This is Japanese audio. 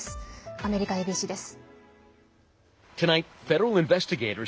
アメリカＡＢＣです。